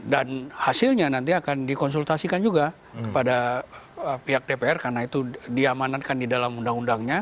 dan hasilnya nanti akan dikonsultasikan juga kepada pihak dpr karena itu diamanatkan di dalam undang undangnya